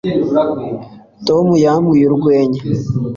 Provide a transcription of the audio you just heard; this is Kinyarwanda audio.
tom yabwiye urwenya